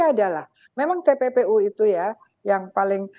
adalah memang tppu itu ya yang paling